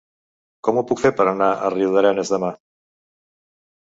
Com ho puc fer per anar a Riudarenes demà?